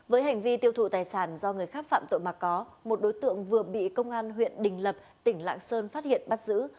với hành vi tiêu thụ tài sản do người khác phạm tội mà có một đối tượng vừa bị công an huyện đình lập tỉnh lạng sơn phát hiện bắt giữ